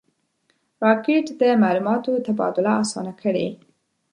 راکټ د معلوماتو تبادله آسانه کړې